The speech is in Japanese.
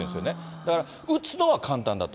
だから打つのは簡単だと。